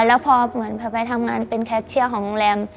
แล้วพอเหมือนไปทำงานเป็นแคชเชียร์ของโรงแรม